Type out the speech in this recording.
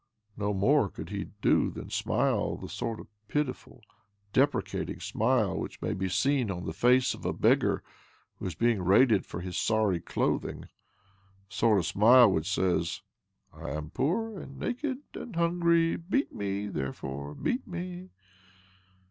No more could he do than smile the sort of pitiful, deprecating smile which may be seen on the face of a beggar who is being rated for his sorry clothing — the sort of smile which says : "I am poor and naked and hungry. Beat me, therefore — beat me."